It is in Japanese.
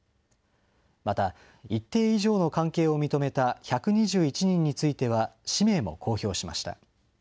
また、一定以上の関係を認めた１２１人については、氏名も公表しました。